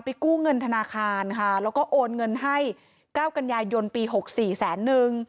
ไปกู้เงินธนาคารค่ะแล้วก็โอนเงินให้เก้ากันยายยนต์ปีหกสี่แสนหนึ่ง